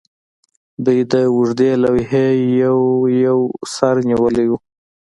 دوی د اوږدې لوحې یو یو سر نیولی و